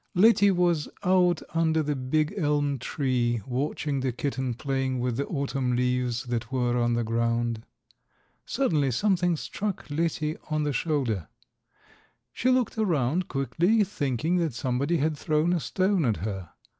Letty was out under the big elm tree watching the kitten playing with the autumn leaves that were on the ground. Suddenly something struck Letty on the shoulder. She looked around quickly, thinking that somebody had thrown a stone at her.